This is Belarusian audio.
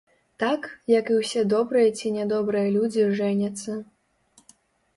Так, як і ўсе добрыя ці нядобрыя людзі жэняцца.